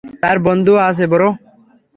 তার বন্ধু ও আছে ব্রো!